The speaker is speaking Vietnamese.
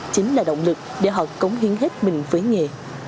chính là động lực để họ cống hiến hết mình với nghề